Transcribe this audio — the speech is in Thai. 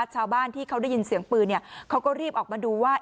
ชาวบ้านที่เขาได้ยินเสียงปืนเขาก็รีบออกมาดูว่า